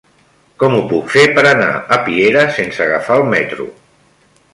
Com ho puc fer per anar a Piera sense agafar el metro?